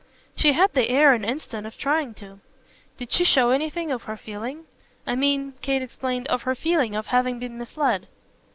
She had the air an instant of trying to. "Did she show anything of her feeling? I mean," Kate explained, "of her feeling of having been misled."